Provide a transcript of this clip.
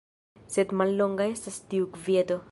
Sed mallonga estas tiu kvieto.